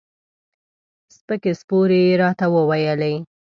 سپکې سپورې یې راته وویلې.